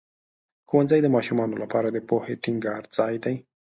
ښوونځی د ماشومانو لپاره د پوهې ټینګار ځای دی.